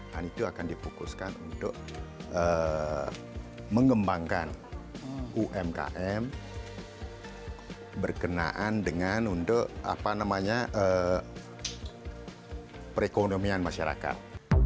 dan itu akan dipokuskan untuk mengembangkan umkm berkenaan dengan perekonomian masyarakat